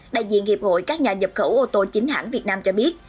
đại diện hiệp hội các nhà nhập khẩu ô tô chính hãng việt nam cho biết